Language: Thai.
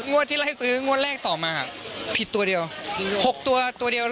งวดที่เราสามารถซื้องวดแรกต่อมาผิดตัวเดียว